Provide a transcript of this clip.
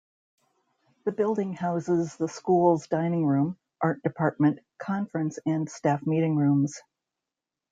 The building houses the School's Dining Room, Art Department, conference and staff meeting rooms.